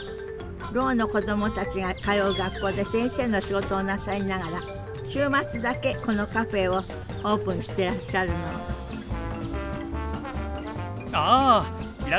ろうの子どもたちが通う学校で先生の仕事をなさりながら週末だけこのカフェをオープンしてらっしゃるのあいらっしゃいませ。